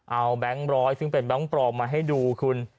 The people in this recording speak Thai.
เอาแบงค์ร้อยซึ่งเป็นแบงค์ปลอมมาให้ดูคุณ